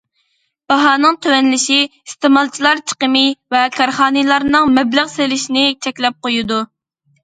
باھانىڭ تۆۋەنلىشى ئىستېمالچىلار چىقىمى ۋە كارخانىلارنىڭ مەبلەغ سېلىشىنى چەكلەپ قويىدۇ.